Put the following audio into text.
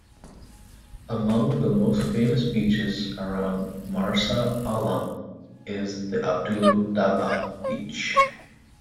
Among the most famous beaches around Marsa Alam is the Abu Dabab beach.